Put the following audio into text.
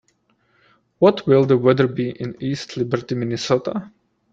What will the weather be in East Liberty Minnesota?